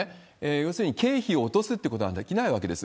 要するに経費を落とすってことができないわけです。